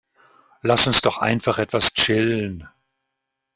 Lass uns doch einfach etwas chillen.